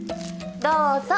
どうぞ。